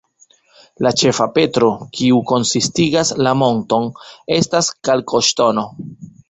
La ĉefa petro, kiu konsistigas la monton, estas kalkoŝtono.